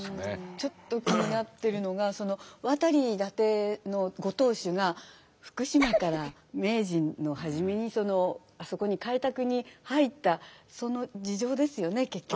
ちょっと気になってるのが亘理伊達のご当主が福島から明治の初めにあそこに開拓に入ったその事情ですよね結局。